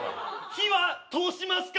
火は通しますか？